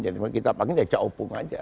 jadi kita panggilnya ca opung aja